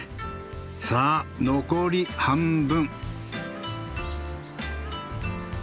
さあ残り半分。